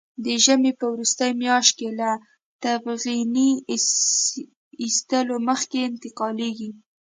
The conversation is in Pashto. د ژمي په وروستۍ میاشت کې له ټېغنې ایستلو مخکې انتقالېږي.